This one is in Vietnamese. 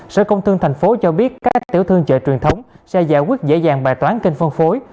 sở công thương tp hcm cho biết các tiểu thương chợ truyền thống sẽ giải quyết dễ dàng bài toán kênh phân phối